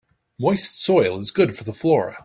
Moist soil is good for the flora.